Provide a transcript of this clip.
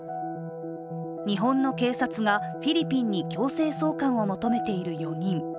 日本の警察がフィリピンに強制送還を求めている４人。